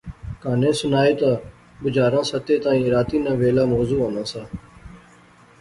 کہانی سنائے تہ بنجاراں ستے تائیں راتی ناں ویلا موزوں ہونا سا